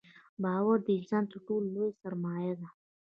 • باور د انسان تر ټولو لوی سرمایه ده.